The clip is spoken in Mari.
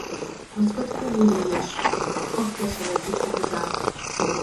— Роскот кугу лиеш, — ок келше Вайди кугыза.